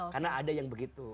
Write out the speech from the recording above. karena ada yang begitu